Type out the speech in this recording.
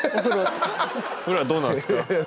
ふだんどうなんですか？